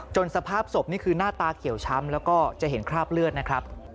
สภาพศพนี่คือหน้าตาเขียวช้ำแล้วก็จะเห็นคราบเลือดนะครับ